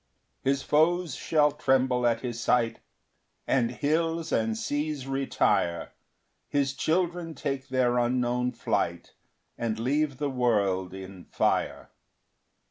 5 His foes shall tremble at his sight, And hills and seas retire His children take their unknown flight, And leave the world in fire.